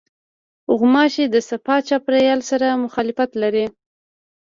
غوماشې د صفا چاپېریال سره مخالفت لري.